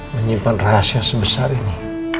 menyimpan rahasia sebesar ini